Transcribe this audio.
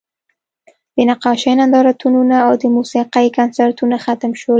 د نقاشۍ نندارتونونه او د موسیقۍ کنسرتونه ختم شول